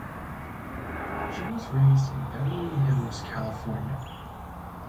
She was raised in Beverly Hills, California.